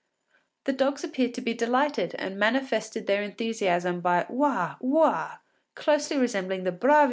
The dogs appeared to be delighted and manifested their enthusiasm by _ouahs!